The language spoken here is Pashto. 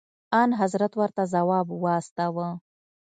انحضرت ورته ځواب واستوه.